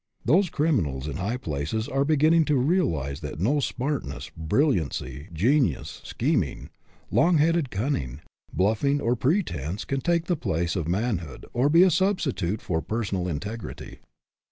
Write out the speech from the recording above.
Those criminals in high places are beginning to realize that no smartness, brilliancy, genius, scheming, long headed cunning, bluffing, or pretense can take the place of manhood or be a substitute for personal integrity.